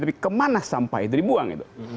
tapi kemana sampah itu dibuang gitu